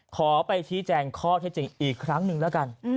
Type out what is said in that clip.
ขอไปชี้แจงข้อเท็จจริงอีกครั้งหนึ่งแล้วกัน